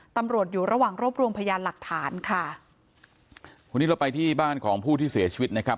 ตำรวจอยู่ระหว่างรวบรวมพยานหลักฐานค่ะวันนี้เราไปที่บ้านของผู้ที่เสียชีวิตนะครับ